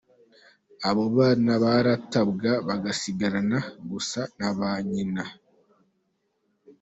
Abo bana baratabwa, bagasigarana gusa na ba nyina b.